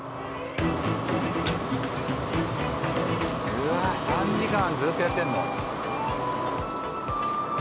うわあ３時間ずっとやってるの？